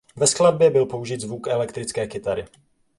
Ve skladbě byl použit zvuk elektrické kytary.